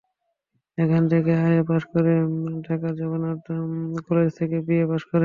এখান থেকে IA pass করে ঢাকার জগন্নাথ কলেজ থেকে বিএ পাস করেন।